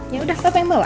ya udah pa pembawa